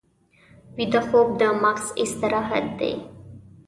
ویده خوب د مغز استراحت دی